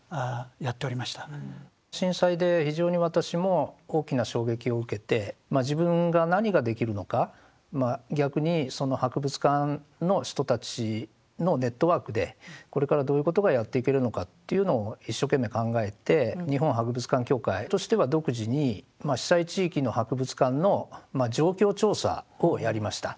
震災で非常に私も大きな衝撃を受けて自分が何ができるのか逆に博物館の人たちのネットワークでこれからどういうことがやっていけるのかというのを一生懸命考えて日本博物館協会としては独自に被災地域の博物館の状況調査をやりました。